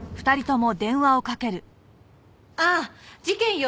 ああ事件よ。